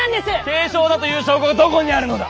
軽症だという証拠がどこにあるのだ！